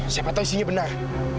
siapa tahu isinya benar